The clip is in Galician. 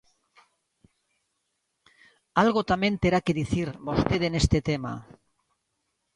Algo tamén terá que dicir vostede neste tema.